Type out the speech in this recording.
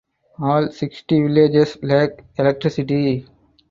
All sixty villages lack electricity.